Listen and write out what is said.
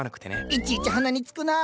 いちいち鼻につくな。